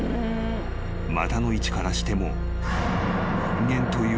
［股の位置からしても］